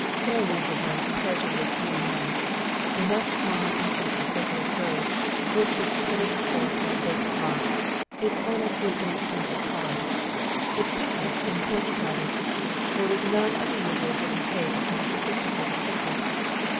Sara Lee had known comparatively few men. In that small and simple circle of hers, with its tennis court in a vacant lot, its one or two inexpensive cars, its picnics and porch parties, there was none of the usual give and take of more sophisticated circles.